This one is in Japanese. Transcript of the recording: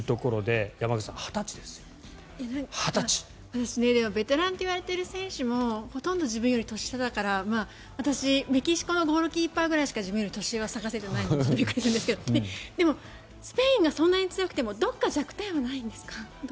私ベテランといわれている選手もほとんど自分より年下だから私、メキシコのゴールキーパーぐらいしか自分より年上を探せていないんですがでもスペインがそんなに強くてもどこか弱点はないんですか？